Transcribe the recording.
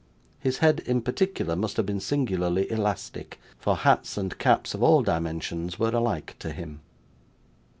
His head, in particular, must have been singularly elastic, for hats and caps of all dimensions were alike to him.